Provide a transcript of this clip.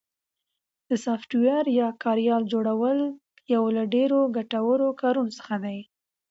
د سافټویر یا کاریال جوړل یو له ډېرو ګټورو کارونو څخه ده